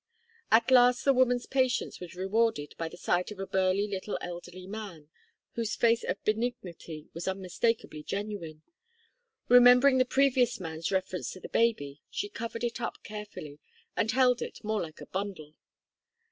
At last the woman's patience was rewarded by the sight of a burly little elderly man, whose face of benignity was unmistakably genuine. Remembering the previous man's reference to the baby, she covered it up carefully, and held it more like a bundle.